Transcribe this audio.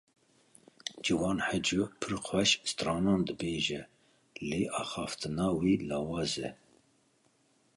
Ciwan Haco pir xweş stranan dibêje lê axaftina wî lawaz e.